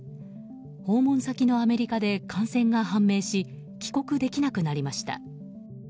訪問先のアメリカで感染が判明し帰国できなくなりました。